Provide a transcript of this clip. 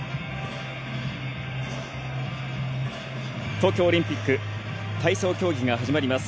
東京オリンピック体操競技が始まります。